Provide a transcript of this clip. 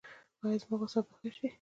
ایا زما غوسه به ښه شي؟